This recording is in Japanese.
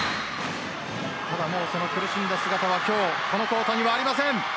ただ、その苦しんだ姿は今日このコートにはありません。